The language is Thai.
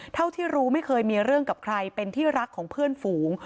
เท่าที่รู้ไม่เคยมีเรื่องกับใครเป็นที่รักของเพื่อนฝูง